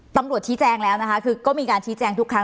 ตำรวจชี้แจงแล้วนะคะคือก็มีการชี้แจงทุกครั้ง